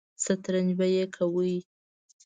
سترنج به مې کاوه.